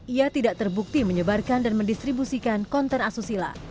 ia tidak terbukti menyebarkan dan mendistribusikan konten asusila